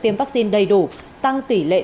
tiêm vaccine đầy đủ tăng tỉ lệ